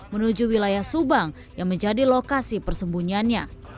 menuju wilayah subang yang menjadi lokasi persembunyiannya